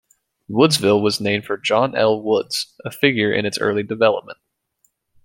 Woodsville was named for John L. Woods, a figure in its early development.